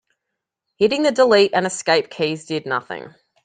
Hitting the delete and escape keys did nothing.